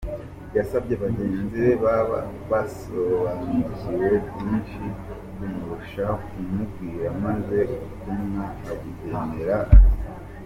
Yasabye bagenzi be baba basobanukiwe byinshi kumurusha kumubwira maze ubutumwa abugenera….